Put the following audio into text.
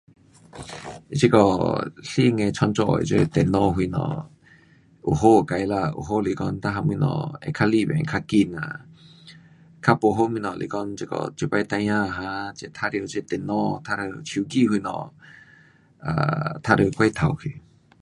这个新的创造的电脑什么，有好有坏啦，有好是讲每样东西会较利便，较快啦，较不好东西是讲这个这次孩儿哈，玩耍这电脑，玩耍手机什么，啊玩耍过头去。